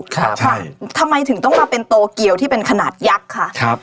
ทำไมถึงต้องมาเป็นโตเกียวที่เป็นขนาดยักษ์ค่ะครับ